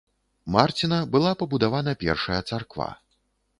Марціна была пабудавана першая царква.